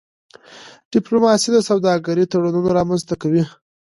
ډيپلوماسي د سوداګرۍ تړونونه رامنځته کوي.